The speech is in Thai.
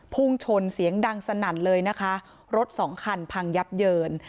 พุ่งชนเสียงดังสนั่นเลยนะคะรถสองคันพังยับเยิน